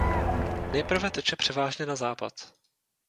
Nejprve teče převážně na západ.